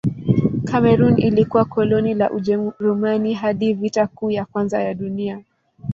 Kamerun ilikuwa koloni la Ujerumani hadi Vita Kuu ya Kwanza ya Dunia.